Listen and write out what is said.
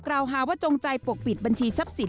กล่าวหาว่าจงใจปกปิดบัญชีทรัพย์สิน